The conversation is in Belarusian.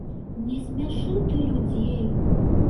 Не смяшы ты людзей.